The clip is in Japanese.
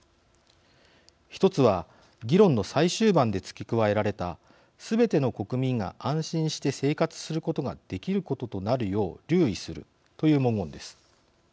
１つは、議論の最終盤で付け加えられたすべての国民が安心して生活することができることとなるよう、留意するという文言です。